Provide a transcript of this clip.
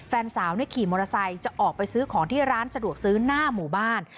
แฟนสาวขี่มอเตอร์ไซค์จะออกไปซื้อของที่ร้านสะดวกซื้อหน้าหมู่บ้าน